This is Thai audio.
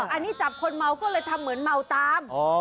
อันนี้จับคนเมาก็เลยทำเหมือนเมาตาม